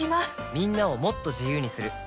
みんなをもっと自由にする「三菱冷蔵庫」